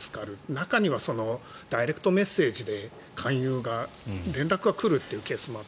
中にはダイレクトメッセージで勧誘が連絡が来るというケースも。